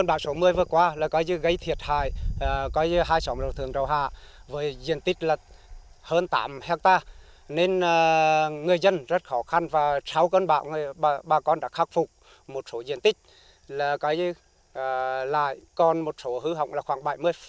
bà con đã khắc phục một số diện tích còn một số hư hỏng là khoảng bảy mươi